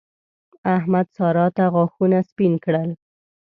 احمد؛ سارا ته غاښونه سپين کړل.